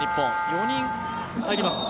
４人入ります。